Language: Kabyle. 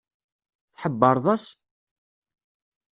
Tḥebbreḍ-as?